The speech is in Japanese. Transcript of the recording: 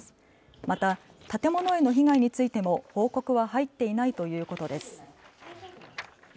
また建物への被害についても報告は入っていないということです。